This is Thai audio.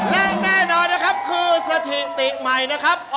และแน่นอนนะครับคือสถิติใหม่นะครับ